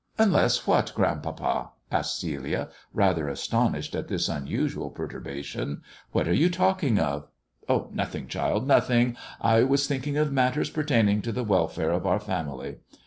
"Unless what, grandpapa?" asked Celia, rather as tonished at this unusual perturbation. "What are you talking of]" " Nothing, child, nothing I I was thinking of matters pertaining to the welfare of our family.